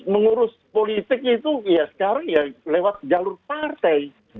mengurus politiknya itu ya sekarang ya lewat jalur partai